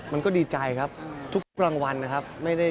มันก็ดีใจครับทุกรางวัลนะครับ